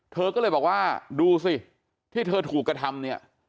เธอก็เลยบอกว่าดูสิที่เธอถูกกระทำเนี่ย